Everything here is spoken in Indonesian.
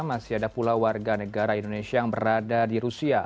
masih ada pula warga negara indonesia yang berada di rusia